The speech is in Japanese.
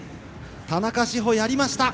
田中志歩、やりました。